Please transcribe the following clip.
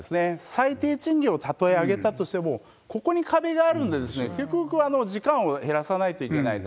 最低賃金を例え上げたとしても、ここに壁があるので、結局時間を減らさないといけないと。